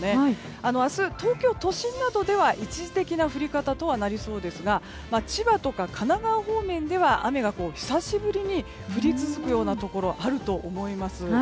明日、東京都心などでは一時的な降り方とはなりそうですが千葉とか神奈川方面では雨が、久しぶりに降り続くようなところがあると思います。